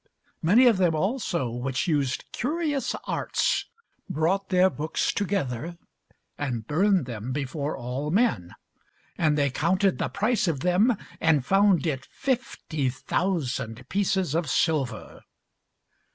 Many of them also which used curious arts brought their books together, and burned them before all men: and they counted the price of them, and found it fifty thousand pieces of silver.